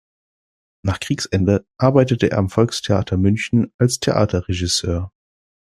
Nach Kriegsende arbeitete er am Volkstheater München als Theaterregisseur.